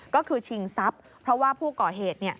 ก็คือชิงทรัพย์เพราะว่าผู้ก่อเหตุ